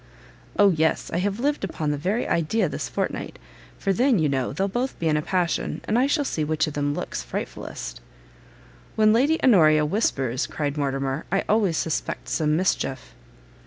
"O yes; I have lived upon the very idea this fortnight; for then, you know, they'll both be in a passion, and I shall see which of them looks frightfullest." "When Lady Honoria whispers," cried Mortimer, "I always suspect some mischief."